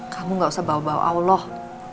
kamu gak usah bawa bawa